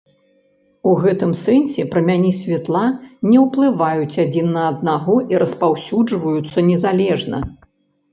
У гэтым сэнсе прамяні святла не ўплываюць адзін на аднаго і распаўсюджваюцца незалежна.